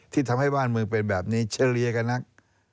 ที่ทำให้บ้านเมืองเป็นแบบนี้เฉลี่ยกันนัก